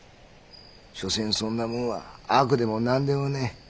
所詮そんなもんは悪でも何でもねえ。